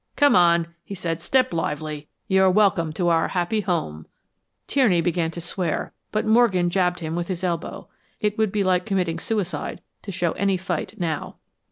"Come on," he said, "step lively. You're welcome to our happy home." Tierney began to swear, but Morgan jabbed him with his elbow. It would be like committing suicide to show any fight now.